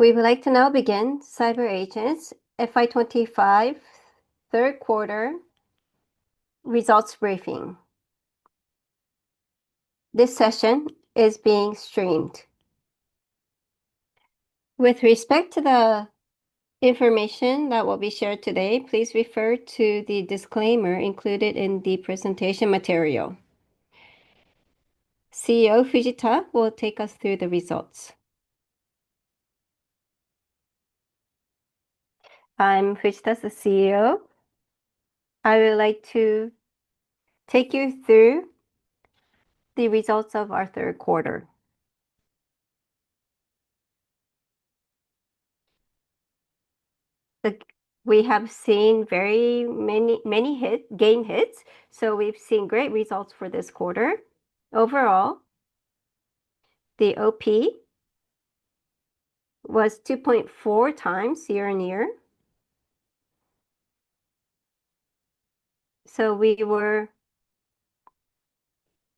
We would like to now begin CyberAgent's FY 2025 third quarter results briefing. This session is being streamed. With respect to the information that will be shared today, please refer to the disclaimer included in the presentation material. CEO Fujita will take us through the results. I'm Fujita, the CEO. I would like to take you through the results of our third quarter. We have seen very many, many hits, game hits, so we've seen great results for this quarter. Overall, the OP was 2.4x year-on-year.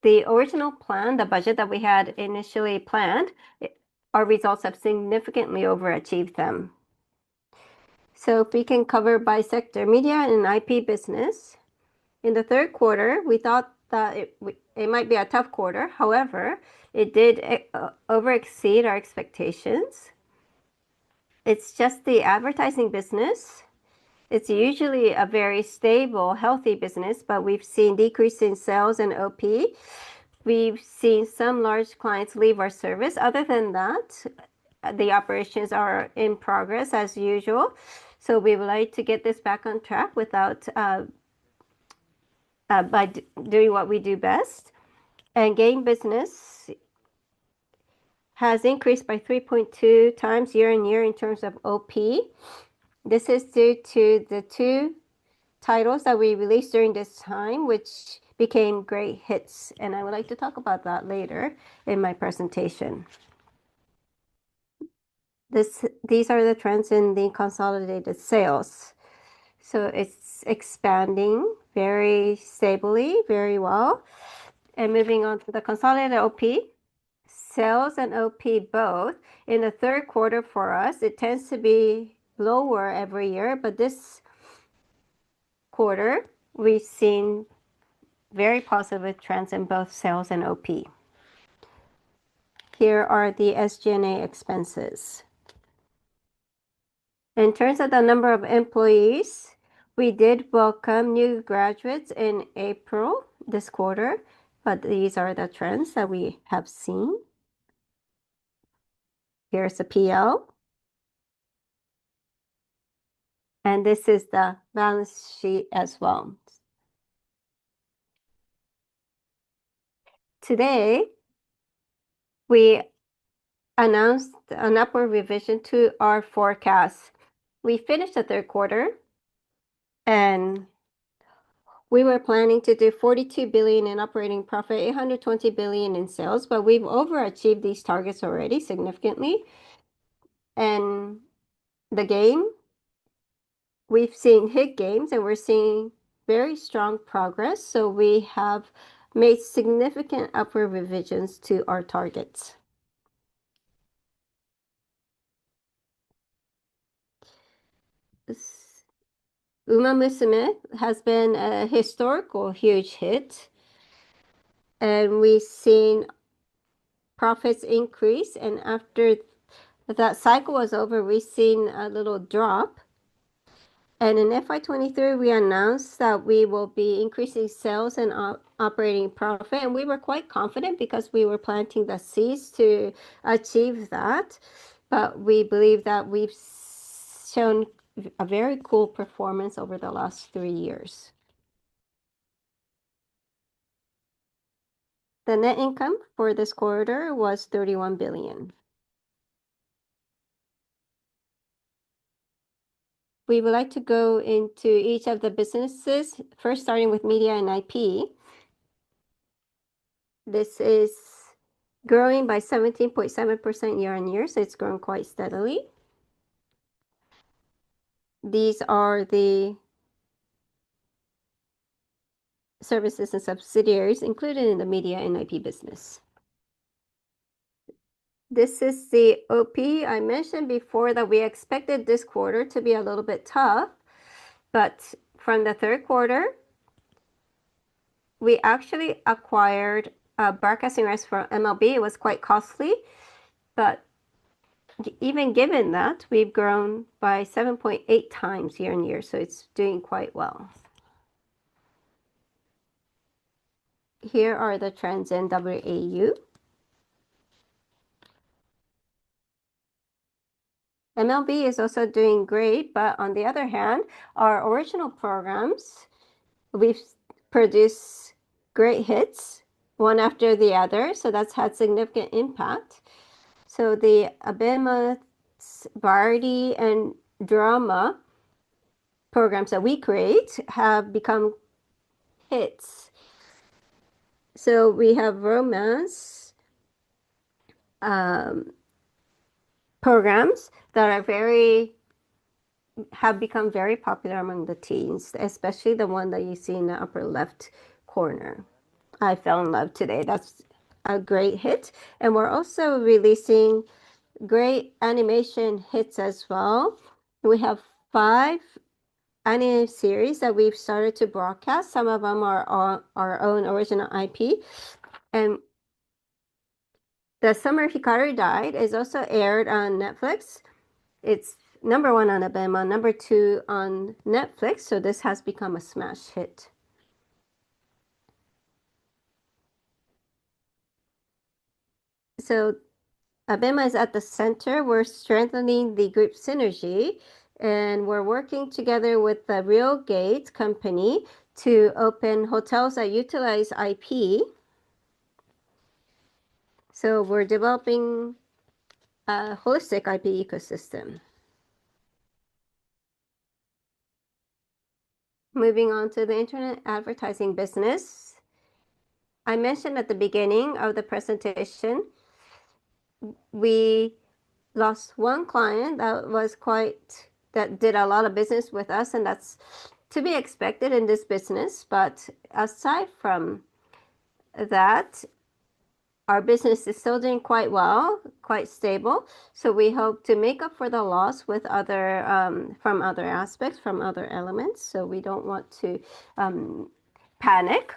The original plan, the budget that we had initially planned, our results have significantly overachieved them. If we can cover by sector, media, and IP business, in the third quarter, we thought that it might be a tough quarter. However, it did over-exceed our expectations. It's just the advertising business. It's usually a very stable, healthy business, but we've seen decreasing sales and OP. We've seen some large clients leave our service. Other than that, the operations are in progress as usual. We would like to get this back on track by doing what we do best. The game business has increased by 3.2x year-on-year in terms of OP. This is due to the two titles that we released during this time, which became great hits. I would like to talk about that later in my presentation. These are the trends in the consolidated sales. It's expanding very stably, very well. Moving on to the consolidated OP, sales and OP both, in the third quarter for us, it tends to be lower every year, but this quarter, we've seen very positive trends in both sales and OP. Here are the SG&A expenses. In terms of the number of employees, we did welcome new graduates in April this quarter, but these are the trends that we have seen. Here's the PL. This is the balance sheet as well. Today, we announced an upward revision to our forecast. We finished the third quarter, and we were planning to do 42 billion in operating profit, 820 billion in sales, but we've overachieved these targets already significantly. The gain, we've seen hit gains, and we're seeing very strong progress. We have made significant upward revisions to our targets. Uma Musume has been a historical huge hit. We've seen profits increase, and after that cycle was over, we've seen a little drop. In FY 2023, we announced that we will be increasing sales and operating profit, and we were quite confident because we were planting the seeds to achieve that. We believe that we've shown a very cool performance over the last three years. The net income for this quarter was 31 billion. We would like to go into each of the businesses, first starting with media and IP. This is growing by 17.7% year-on-year, so it's growing quite steadily. These are the services and subsidiaries included in the media and IP business. This is the OP I mentioned before that we expected this quarter to be a little bit tough. From the third quarter, we actually acquired broadcasting rights for MLB. It was quite costly. Even given that, we've grown by 7.8x year-on-year, so it's doing quite well. Here are the trends in WAU. MLB is also doing great. On the other hand, our original programs, we've produced great hits, one after the other. That's had significant impact. The ABEMA variety and drama programs that we create have become hits. We have romance programs that have become very popular among the teams, especially the one that you see in the upper left corner. I Fell in Love Today. That's a great hit. We're also releasing great animation hits as well. We have five anime series that we've started to broadcast. Some of them are on our own original IP. The Summer Hikaru Died is also aired on Netflix. It's number one on ABEMA, number two on Netflix. This has become a smash hit. ABEMA is at the center. We're strengthening the group synergy, and we're working together with the REALGATE Company to open hotels that utilize IP. We're developing a holistic IP ecosystem. Moving on to the internet advertising business. I mentioned at the beginning of the presentation, we lost one client that did a lot of business with us, and that's to be expected in this business. Aside from that, our business is still doing quite well, quite stable. We hope to make up for the loss from other aspects, from other elements. We don't want to panic.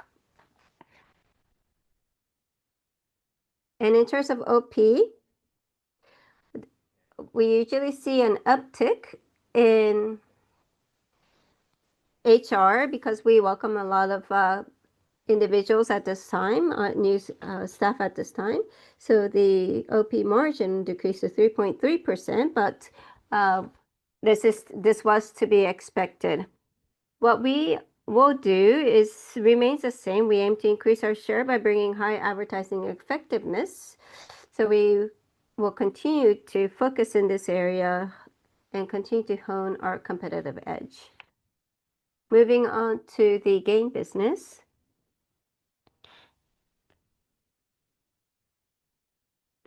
In terms of OP, we usually see an uptick in HR because we welcome a lot of individuals at this time, new staff at this time. The OP margin decreased to 3.3%, but this was to be expected. What we will do remains the same. We aim to increase our share by bringing high advertising effectiveness. We will continue to focus in this area and continue to hone our competitive edge. Moving on to the game business,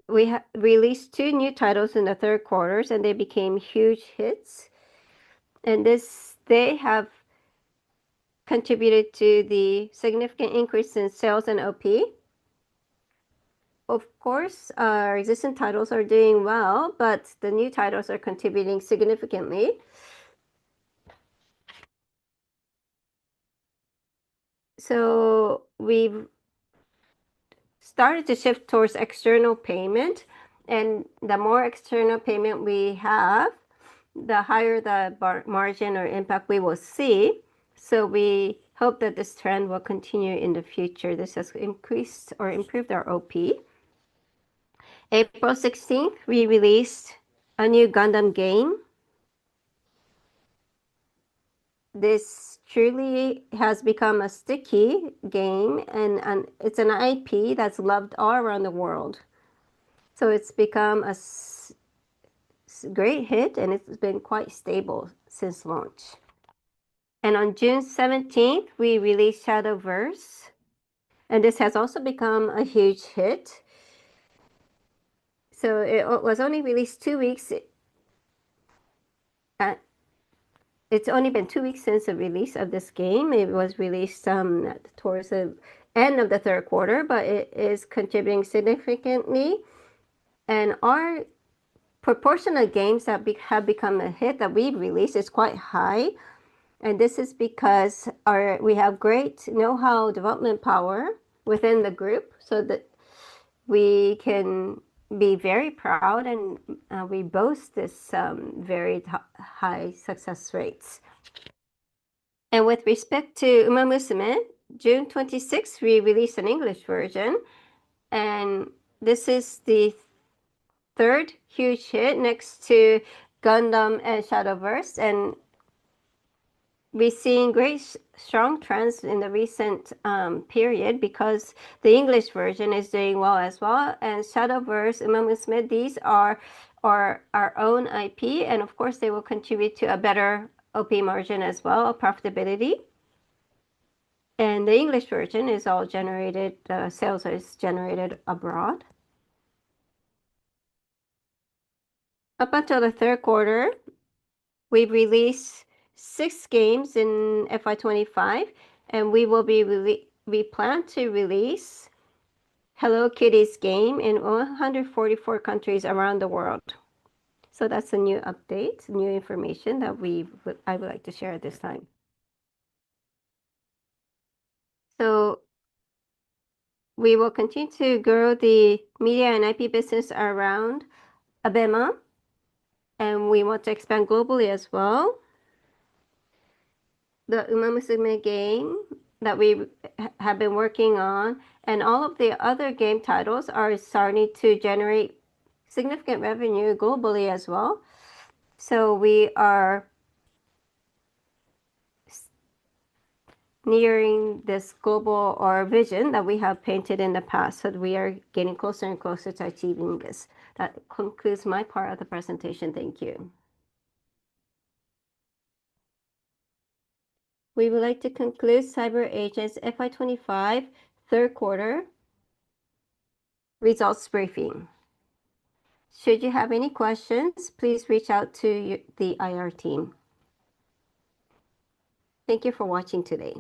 we released two new titles in the third quarter, and they became huge hits. They have contributed to the significant increase in sales and OP. Of course, our existing titles are doing well, but the new titles are contributing significantly. We have started to shift towards external payment. The more external payment we have, the higher the margin or impact we will see. We hope that this trend will continue in the future. This has increased or improved our OP. On April 16th, we released a new Gundam game. This truly has become a sticky game, and it's an IP that's loved all around the world. It's become a great hit, and it's been quite stable since launch. On June 17th, we released Shadowverse, and this has also become a huge hit. It was only released two weeks. It's only been two weeks since the release of this game. It was released towards the end of the third quarter, but it is contributing significantly. Our proportion of games that have become a hit that we've released is quite high. This is because we have great know-how and development power within the group so that we can be very proud, and we boast this very high success rates. With respect to Uma Musume, on June 26th, we released an English version. This is the third huge hit next to Gundam and Shadowverse. We've seen great strong trends in the recent period because the English version is doing well as well. Shadowverse and Uma Musume, these are our own IP. They will contribute to a better OP margin as well, a profitability. The English version is all generated, the sales are generated abroad. Up until the third quarter, we've released six games in FY 2025, and we plan to release Hello Kitty game in 144 countries around the world. That's a new update, new information that I would like to share at this time. We will continue to grow the media and IP business around ABEMA, and we want to expand globally as well. The Uma Musume game that we have been working on and all of the other game titles are starting to generate significant revenue globally as well. We are nearing this global vision that we have painted in the past. We are getting closer and closer to achieving this. That concludes my part of the presentation. Thank you. We would like to conclude CyberAgent's FY 2025 third quarter results briefing. Should you have any questions, please reach out to the IR team. Thank you for watching today.